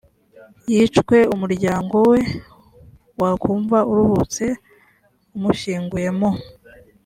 yicwe umuryango we wakumva uruhutse umushyinguye mu